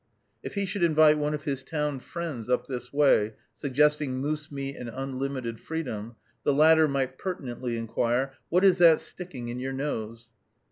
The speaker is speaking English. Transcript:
If he should invite one of his town friends up this way, suggesting moose meat and unlimited freedom, the latter might pertinently inquire, "What is that sticking in your nose?"